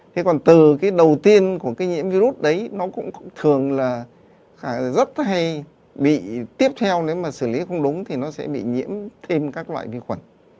thế còn từ cái đầu tiên của cái nhiễm virus đấy nó cũng thường là rất hay bị tiếp theo nếu mà xử lý không đúng thì nó sẽ bị nhiễm thêm các loại vi khuẩn